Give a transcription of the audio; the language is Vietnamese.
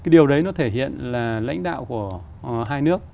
điều đấy nó thể hiện là lãnh đạo của hai nước